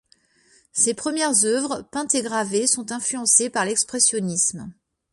Ses premières œuvres, peintes et gravées, sont influencées par l’Expressionnisme.